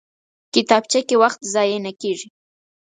کتابچه کې وخت ضایع نه کېږي